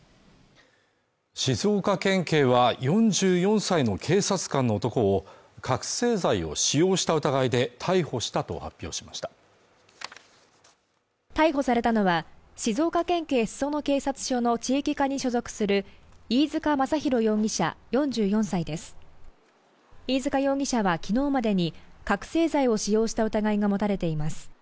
静岡県警は４４歳の警察官の男を覚せい剤を使用した疑いで逮捕したと発表しました逮捕されたのは静岡県警裾野警察署の地域課に所属する飯塚雅浩容疑者４４歳です飯塚容疑者はきのうまでに覚醒剤を使用した疑いが持たれています